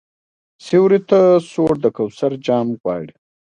سیوري ته سوړ د کوثر جام غواړي